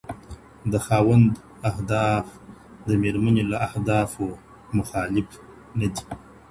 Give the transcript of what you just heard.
د خاوند اهداف د ميرمني له اهدافو مخالف نه دي.